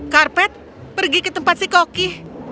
karpet pergi ke tempat si koki